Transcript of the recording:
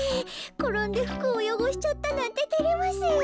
ころんでふくをよごしちゃったなんててれますよ。